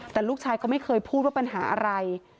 แต่ลูกชายก็ไม่เคยพูดว่าปัญหาอะไร